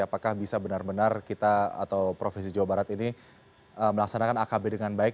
apakah bisa benar benar kita atau provinsi jawa barat ini melaksanakan akb dengan baik